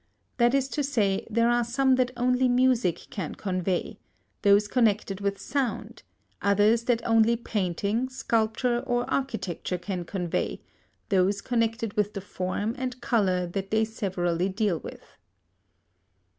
That is to say, there are some that only music can convey: those connected with sound; others that only painting, sculpture, or architecture can convey: those connected with the form and colour that they severally deal with.